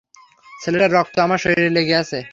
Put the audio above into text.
ছেলেটার রক্ত আমার শরীরে লেগে আছে!